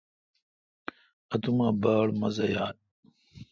اتوما باڑ مزہ یال۔